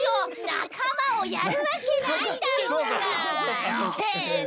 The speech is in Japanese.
なかまをやるわけないだろうが！せの！